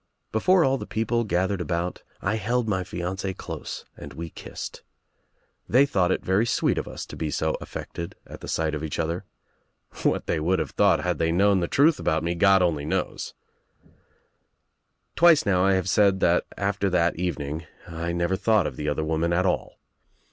Before all the people gathered about I held my fiancee close and we kissed. They thought it very sweet of us to be so affected at the sight of each other. What they would have thought had they known the truth about me God only knows I "Twice now I have said that after that evening I 4A THE TRIUMPH OF THE EGG never thought of the other woman at all.